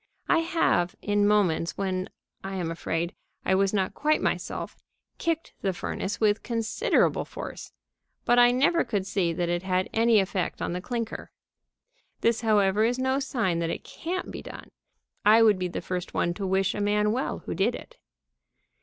I have, in moments when, I am afraid, I was not quite myself, kicked the furnace with considerable force, but I never could see that it had any effect on the clinker. This, however, is no sign that it can't be done. I would be the first one to wish a man well who did it.